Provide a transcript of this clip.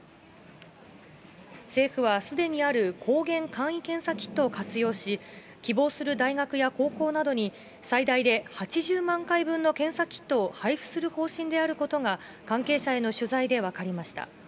政府はすでにある抗原簡易検査キットを活用し、希望する大学や高校などに、最大で８０万回分の検査キットを配布する方針であることが、関係者への取材で分かりました。